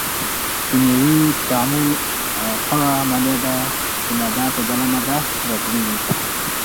کیمیاوي تعامل هغه عملیه ده چې ماده په بله ماده بدلیږي.